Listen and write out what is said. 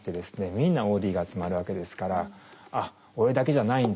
みんなＯＤが集まるわけですから「あっ俺だけじゃないんだ」と。